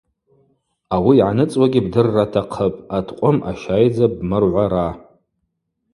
Ауи йгӏаныцӏуагьи бдырра атахъыпӏ: аткъвым ащайдза бмыргӏвара.